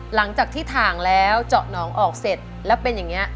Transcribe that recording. หลังจากที่ถ่างแล้วเจาะหนองออกเสร็จแล้วเป็นอย่างนี้